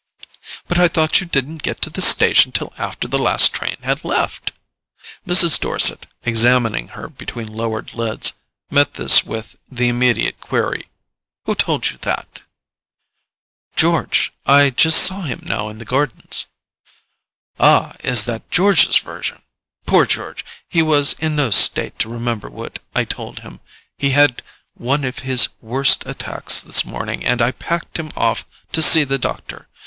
"But I thought you didn't get to the station till after the last train had left!" Mrs. Dorset, examining her between lowered lids, met this with the immediate query: "Who told you that?" "George—I saw him just now in the gardens." "Ah, is that George's version? Poor George—he was in no state to remember what I told him. He had one of his worst attacks this morning, and I packed him off to see the doctor.